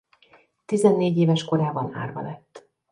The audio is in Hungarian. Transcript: Tizennégy éves korában árva lett.